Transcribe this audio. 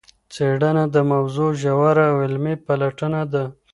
څېړنه د موضوع ژوره او علمي پلټنه ده.